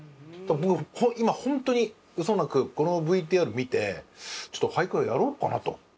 僕今本当にうそなくこのＶＴＲ見てちょっと俳句をやろうかなと。